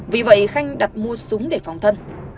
vì vậy khanh đặt mua súng để phóng thân